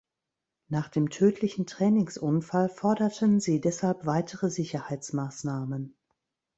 Nach dem tödlichen Trainingsunfall forderten sie deshalb weitere Sicherheitsmaßnahmen.